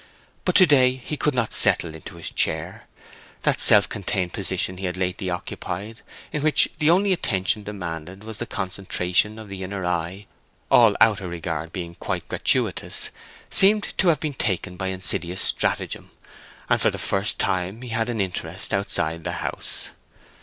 But to day he could not settle into his chair. That self contained position he had lately occupied, in which the only attention demanded was the concentration of the inner eye, all outer regard being quite gratuitous, seemed to have been taken by insidious stratagem, and for the first time he had an interest outside the house.